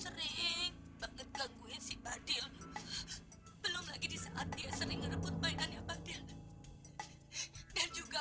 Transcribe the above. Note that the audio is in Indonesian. sering banget gangguin si badil belum lagi disaat dia sering merebut mainannya badil dan juga